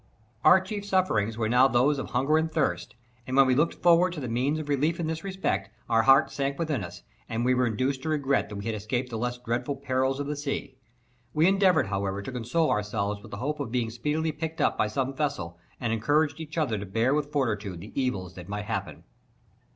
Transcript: Our chief sufferings were now those of hunger and thirst, and when we looked forward to the means of relief in this respect, our hearts sunk within us, and we were induced to regret that we had escaped the less dreadful perils of the sea. We endeavoured, however, to console ourselves with the hope of being speedily picked up by some vessel and encouraged each other to bear with fortitude the evils that might happen.